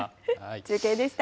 中継でした。